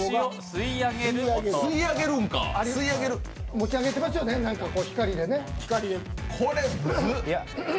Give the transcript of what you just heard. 持ち上げてますよね、なんか光でね。